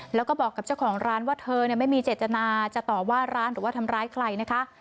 แล้วก็บอกกับเจ้าของร้านว่าเธอไม่มีเจตนาจะต่อว่าร้านหรือว่าทำร้ายใครนะคะ